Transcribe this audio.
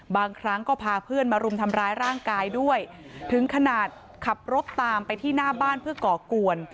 บางครั้งก็พาเพื่อนมารุมทำร้ายร่างกายด้วยถึงขนาดขับรถตามไปที่หน้าบ้านเพื่อก่อกวน